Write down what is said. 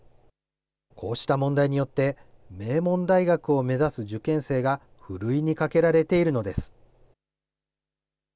こうした問題によって、名門大学を目指す受験生がふるいにかけられているのです。